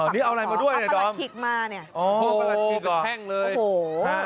นี่เอาอะไรมาด้วยนะดอมโอ้โฮเป็นแพงเลยอ๋อประกันคิดก่อน